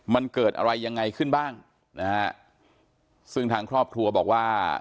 มันเกิดอะไรยังไงขึ้นบ้างนะฮะซึ่งทางครอบครัวบอกว่า